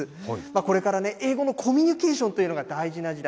これからね、英語のコミュニケーションというのが大事な時代。